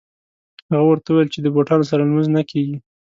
هغه ورته وویل چې د بوټانو سره لمونځ نه کېږي.